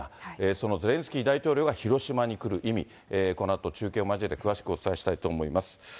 そのゼレンスキー大統領が広島に来る意味、このあと中継を交えて詳しくお伝えしたいと思います。